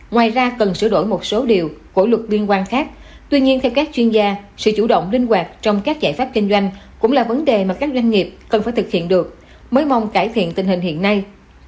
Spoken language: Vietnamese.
ngoài ra cần sửa đổi một số điều của luật liên quan khác tuy nhiên theo các chuyên gia sự chủ động linh hoạt trong các giải pháp kinh doanh cũng là vấn đề mà các doanh nghiệp cần phải thực hiện được mới mong cải thiện tình hình hiện nay